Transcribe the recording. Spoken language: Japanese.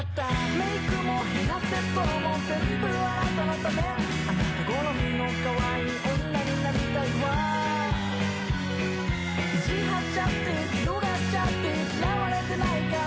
メイクもヘアセットも全部あなたのためあなた好みの可愛い女になりたいわ意地張っちゃって強がっちゃって嫌われてないかな？